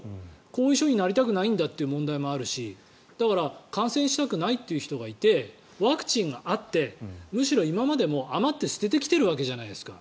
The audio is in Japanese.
後遺症になりたくないんだという問題もあるしだから感染したくない人がいてワクチンがあって、むしろ今までも余って捨ててきているわけじゃないですか。